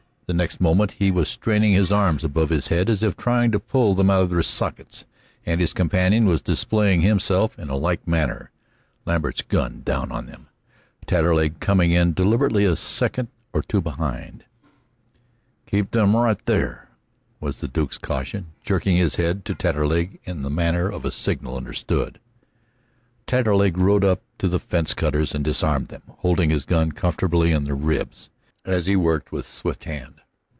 The next moment he was straining his arms above his head as if trying to pull them out of their sockets, and his companion was displaying himself in like manner, Lambert's gun down on them, Taterleg coming in deliberately a second or two behind. "Keep them right there," was the Duke's caution, jerking his head to Taterleg in the manner of a signal understood. Taterleg rode up to the fence cutters and disarmed them, holding his gun comfortably in their ribs as he worked with swift hand.